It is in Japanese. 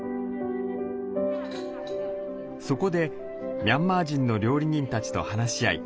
そこでミャンマー人の料理人たちと話し合い